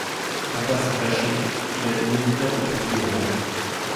Papa s’est fâché, il a donné une tape au petit gourmand.